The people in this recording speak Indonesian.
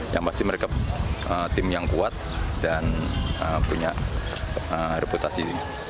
yang pasti mereka tim yang kuat dan punya reputasi